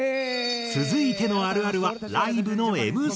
続いてのあるあるはライブのＭＣ。